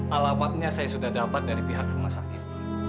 alamatnya saya sudah dapat dari pihak rumah sakit